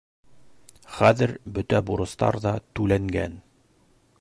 Хәҙер бөтә бурыстар ҙа түләнгән.